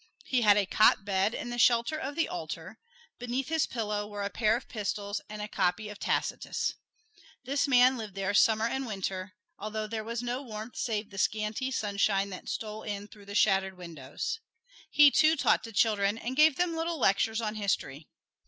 He had a cot bed in the shelter of the altar; beneath his pillow were a pair of pistols and a copy of Tacitus. This man lived there Summer and Winter, although there was no warmth save the scanty sunshine that stole in through the shattered windows. He, too, taught the children and gave them little lectures on history.